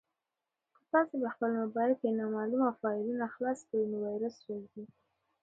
که تاسي په خپل موبایل کې نامعلومه فایلونه خلاص کړئ نو ویروس راځي.